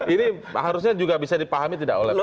ini harusnya juga bisa dipahami tidak oleh pemerintah